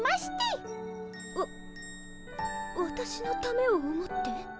わわたしのためを思って？